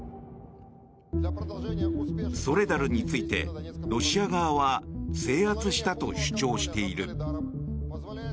ソレダルについてロシア側は制圧したと主張している。